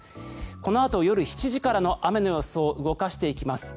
このあと夜７時からの雨の予想動かしていきます。